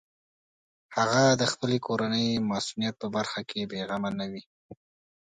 هغه د خپلې کورنۍ مصونیت په برخه کې بېغمه نه وي.